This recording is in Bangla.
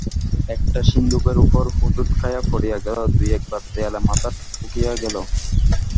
একটা সিন্দুকের উপর হুঁচট খাইয়া পড়িয়া গেল, দুই-একবার দেয়ালে মাথা ঠুকিয়া গেল।